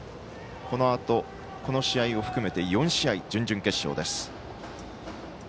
このあとこの試合を含めて４試合準々決勝です。